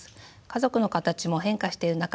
家族の形も変化している中